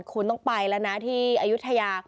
คุณต้องไปแล้วนะที่อายุทยา